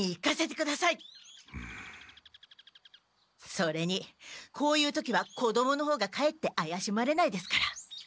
それにこういう時は子どもの方がかえってあやしまれないですから。